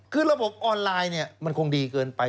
คือระบบออนไลน์เนี่ยมันคงดีเกินไป